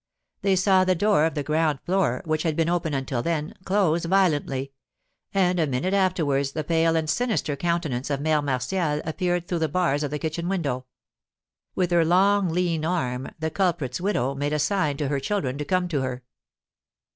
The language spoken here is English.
They saw the door of the ground floor, which had been open until then, close violently, and a minute afterwards the pale and sinister countenance of Mère Martial appeared through the bars of the kitchen window. With her long lean arm the culprit's widow made a sign to her children to come to her.